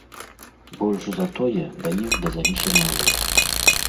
Больш за тое, да іх дадаліся новыя.